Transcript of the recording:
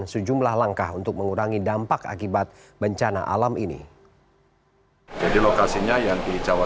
sejumlah langkah untuk mengurangi dampak akibat bencana alam ini jadi lokasinya yang di jawa